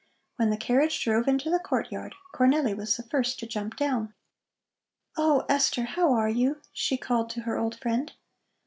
When the carriage drove into the courtyard, Cornelli was the first to jump down. "Oh, Esther, how are you?" she called to her old friend.